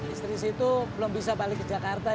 istri situ belum bisa balik ke jakarta